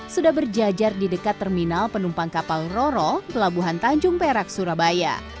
sudah berjajar di dekat terminal penumpang kapal roro pelabuhan tanjung perak surabaya